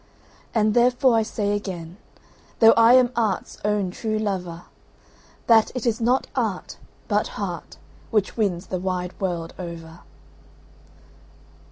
And therefore I say again, though I am art's own true lover, That it is not art, but heart, which wins the wide world over.